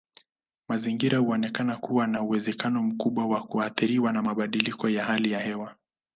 Mazingira huonekana kuwa na uwezekano mkubwa wa kuathiriwa na mabadiliko ya hali ya hewa.